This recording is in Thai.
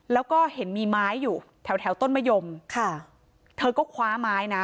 แล้วก็เห็นมีไม้อยู่แถวแถวต้นมะยมค่ะเธอก็คว้าไม้นะ